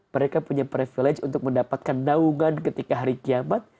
mereka punya privilege untuk mendapatkan naungan ketika hari kiamat